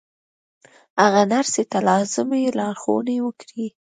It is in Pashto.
هغه نرسې ته لازمې لارښوونې وکړې